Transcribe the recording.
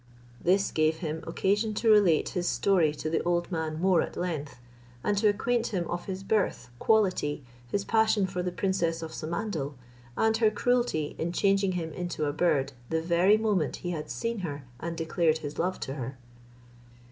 This gave him occasion to relate his story to the old man more at length, and to acquaint him of his birth, quality, his passion for the princess of Samandal, .and her cruelty in changing him into a bird the very moment he had seen her and declared his love to her.